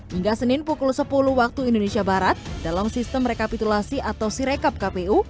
hingga senin pukul sepuluh waktu indonesia barat dalam sistem rekapitulasi atau sirekap kpu